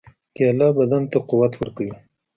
کېله بدن ته قوت ورکوي.